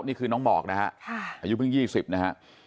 นี่คือน้องหมอกนะฮะอายุเพิ่ง๒๐นะฮะ